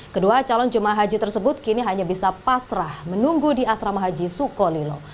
kedua calon jemaah haji tersebut kini hanya bisa pasrah menunggu di asrama haji sukolilo